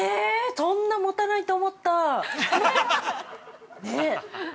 そんな、もたないと思った！